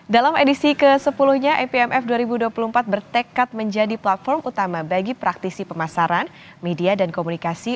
dalam edisi ke sepuluh nya apmf dua ribu dua puluh empat bertekad menjadi platform utama bagi praktisi pemasaran media dan komunikasi